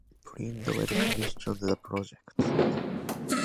Bridwell commissioned the project.